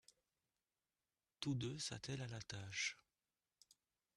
Tous deux s'attellent à la tâche.